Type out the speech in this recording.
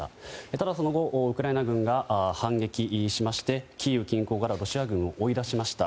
ただ、その後ウクライナ軍が反撃しましてキーウ近郊からロシア軍を追い出しました。